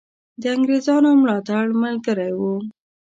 د انګرېزانو ملاتړ ملګری وو.